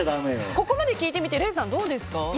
ここまで聞いてみて礼さん、どうですか？